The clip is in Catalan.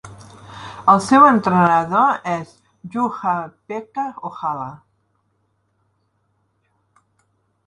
El seu entrenador és Juha-Pekka Ojala.